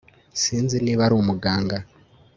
Sinzi niba ari umuganga